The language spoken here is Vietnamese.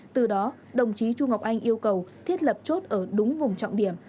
từ đó đồng chí trung ngọc anh yêu cầu thiết lập chốt ở đúng vùng trọng điểm